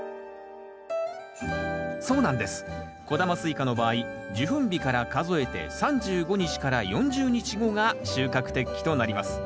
小玉スイカの場合受粉日から数えて３５日から４０日後が収穫適期となります。